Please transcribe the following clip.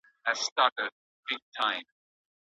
که روغتونونه بیړنۍ څانګي سمبال کړي، نو ټپیان نه تلف کیږي.